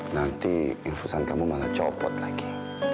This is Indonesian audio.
nanti infusan kamu malah copot lagi